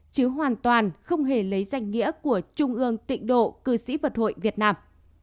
chứ hoàn toàn không hề lấy danh nghĩa của trung ương tịnh độ cư sĩ mật hội việt nam